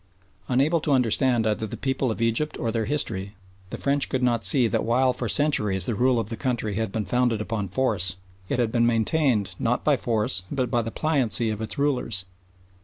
Unable to understand either the people of Egypt or their history, the French could not see that while for centuries the rule of the country had been founded upon force, it had been maintained not by force but by the pliancy of its rulers.